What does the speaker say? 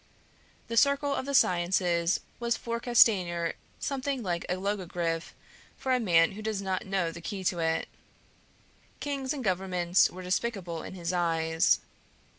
The circle of the sciences was for Castanier something like a logogriph for a man who does not know the key to it. Kings and Governments were despicable in his eyes.